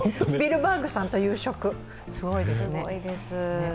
スピルバーグさんと夕食すごいですね。